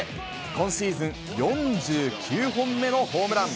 今シーズン４９本目のホームラン。